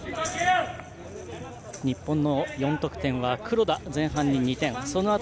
日本の４得点は黒田が前半に２点そのあと